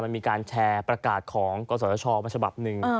มันมีการแชร์ประกาศของกศชมาฉบับหนึ่ง